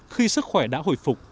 khi sức khỏe đã hồi phục